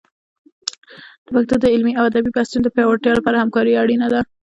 د پښتو د علمي او ادبي بحثونو د پیاوړتیا لپاره همکارۍ اړین دي.